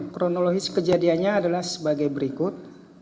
kronologis kejadiannya adalah sebagai berikut